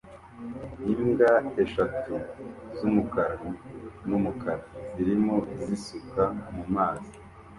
Imbwa eshatu z'umukara n'umukara zirimo zisuka mu mazi